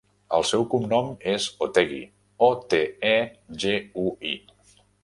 El seu cognom és Otegui: o, te, e, ge, u, i.